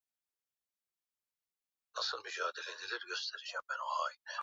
Sikuwa ninaandika maneno mengi